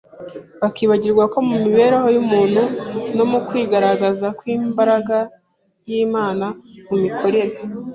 bakibagirwa ko mu mibereho y’umuntu no mu kwigaragaza kw’imbaraga y’Imana mu mikorere